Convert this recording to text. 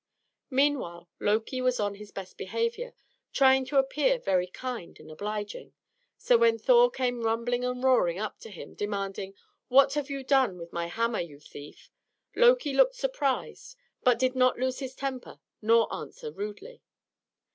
Meanwhile Loki was on his best behaviour, trying to appear very kind and obliging; so when Thor came rumbling and roaring up to him, demanding, "What have you done with my hammer, you thief?" Loki looked surprised, but did not lose his temper nor answer rudely.